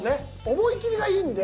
思い切りがいいんで。